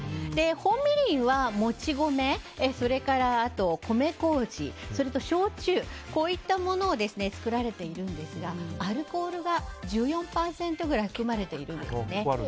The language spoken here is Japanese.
本みりんは、もち米それから米こうじそれと焼酎、こういったものを作られているんですがアルコールが１４％ぐらい含まれているんですね。